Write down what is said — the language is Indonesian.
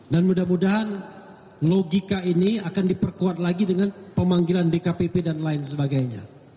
dan mudah mudahan logika ini akan diperkuat lagi dengan pemanggilan dkpp dan lain sebagainya